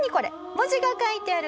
文字が書いてある。